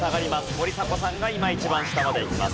森迫さんが今一番下までいきます。